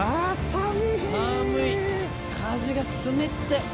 寒い風が冷てぇ。